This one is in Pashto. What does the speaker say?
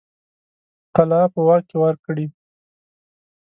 قلعه په واک کې ورکړي.